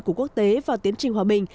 của quốc tế vào tiến trình hòa bình